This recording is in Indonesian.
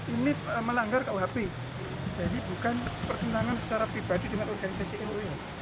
ini melanggar kuhp jadi bukan pertentangan secara pribadi dengan organisasi mui